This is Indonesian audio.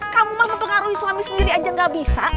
kamu mah mempengaruhi suami sendiri aja gak bisa